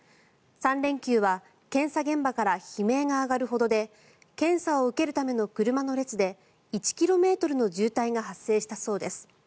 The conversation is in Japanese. ３連休は検査現場から悲鳴が上がるほどで検査を受けるための車の列で１ｋｍの渋滞が発生したそうです。